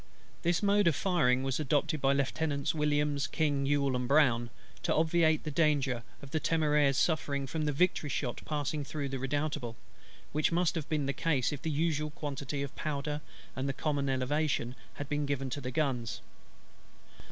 This mode of firing was adopted by Lieutenants WILLIAMS, KING, YULE, and BROWN, to obviate the danger of the Temeraire's suffering from the Victory's shot passing through the Redoutable; which must have been the case if the usual quantity of powder, and the common elevation, had been given to the guns.